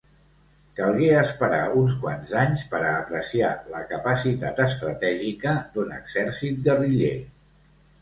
Calgué esperar uns quants anys per a apreciar la capacitat estratègica d'un exèrcit guerriller.